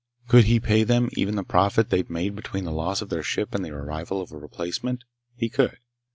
Could he pay them even the profit they'd have made between the loss of their ship and the arrival of a replacement? He could.